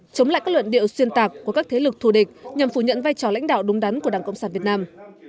chống lại các luận điệu xuyên tạc của các thế lực thù địch nhằm phủ nhận vai trò lãnh đạo đúng đắn của đảng cộng sản việt nam